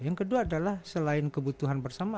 yang kedua adalah selain kebutuhan bersama